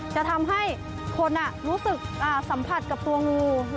จะทำให้คนรู้สึกสัมผัสกับตัวงู